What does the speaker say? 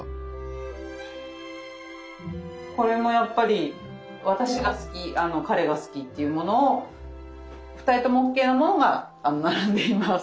これもやっぱり私が好き彼が好きっていうものを２人ともＯＫなものが並んでいます。